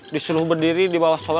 disuruh berdiri dibawah bos bubun